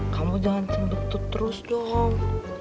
kamu jangan cendut cendut terus dong